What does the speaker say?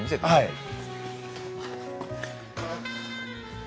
はい。